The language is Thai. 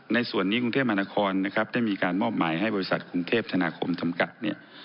ในส่วนนี้กรุงเทพมหานครนะครับได้มีการมอบหมายให้บริษัทกรุงเทพธนาคมจำกัดเนี่ย